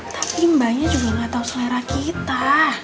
tapi mbaknya juga gak tau selera kita